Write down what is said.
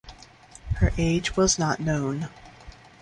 Her age was not known.